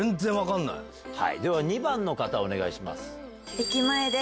では２番の方お願いします。